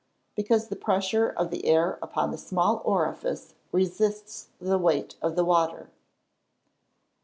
_ Because the pressure of the air upon the small orifice resists the weight of the water.